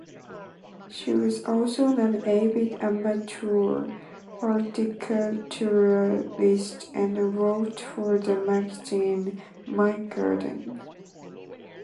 She was also an avid amateur horticulturalist and wrote for the magazine "My Garden".